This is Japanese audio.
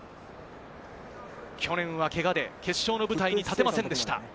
去年はけがで決勝の舞台に立てませんでした。